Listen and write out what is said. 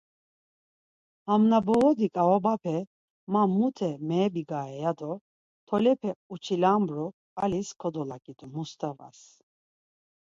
Ham na moğodi ǩaobape ma mute meebigare ya do tolepe uçilambru, alis kodolaǩidu Mustavas.